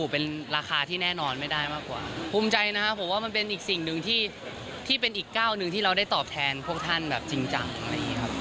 เป็นอีกเก่าหนึ่งที่เราได้ตอบแทนท่านจริงจักร